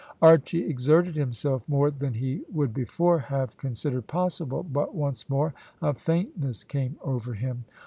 Archy exerted himself more than he would before have considered possible, but once more a faintness came over him.